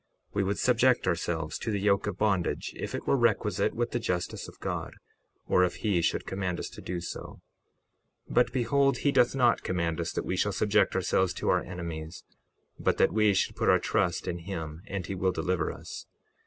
61:12 We would subject ourselves to the yoke of bondage if it were requisite with the justice of God, or if he should command us so to do. 61:13 But behold he doth not command us that we shall subject ourselves to our enemies, but that we should put our trust in him, and he will deliver us.